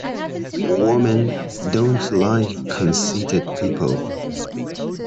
Women don't like conceited people.